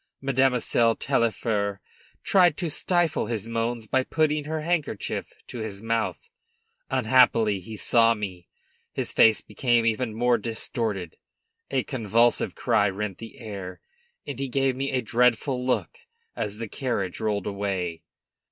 Mademoiselle Taillefer tried to stifle his moans by putting her handkerchief to his mouth; unhappily he saw me; his face became even more distorted, a convulsive cry rent the air, and he gave me a dreadful look as the carriage rolled away.